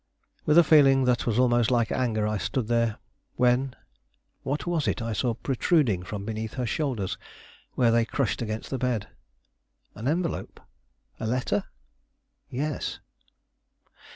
With a feeling that was almost like anger, I stood there, when what was it I saw protruding from beneath her shoulders where they crushed against the bed? An envelope? a letter? Yes.